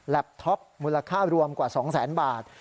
แล็ปท็อปมูลค่ารวมกว่า๒๐๐๐๐๐บาท